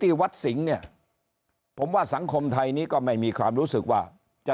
วัดสิงห์เนี่ยผมว่าสังคมไทยนี้ก็ไม่มีความรู้สึกว่าจะ